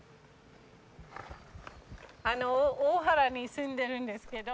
大原に住んでるんですけど。